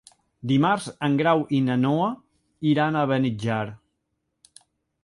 Dimarts en Grau i na Noa iran a Beniatjar.